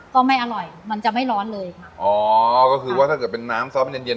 ก็ไม่อร่อยมันจะไม่ร้อนเลยค่ะอ๋อก็คือว่าถ้าเกิดเป็นน้ำซอสมันเย็นเย็น